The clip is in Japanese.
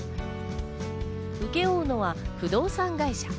請け負うのは不動産会社。